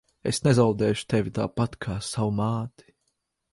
Es nezaudēšu tevi tāpat kā savu māti.